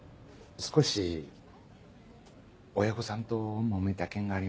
少し親御さんともめた件がありまして。